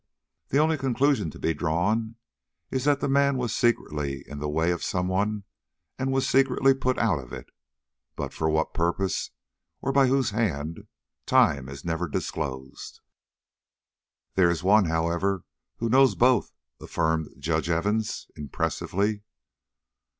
The only conclusion to be drawn is that the man was secretly in the way of some one and was as secretly put out of it, but for what purpose or by whose hand, time has never disclosed." "There is one, however, who knows both," affirmed Judge Evans, impressively.